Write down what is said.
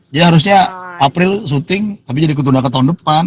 jadi harusnya april syuting tapi jadi ketunda ke tahun depan